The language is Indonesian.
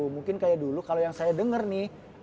mungkin kayak dulu kalau yang saya dengar nih